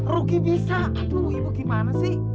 rugi bisa aduh ibu gimana sih